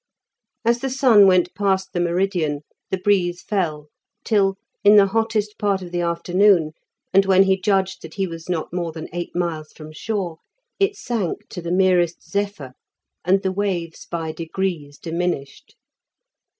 As the sun went past the meridian the breeze fell, till, in the hottest part of the afternoon, and when he judged that he was not more than eight miles from shore, it sank to the merest zephyr, and the waves by degrees diminished.